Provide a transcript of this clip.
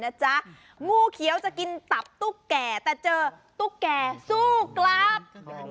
จ๊ะงูเขียวจะกินตับตุ๊กแก่แต่เจอตุ๊กแก่สู้กลับ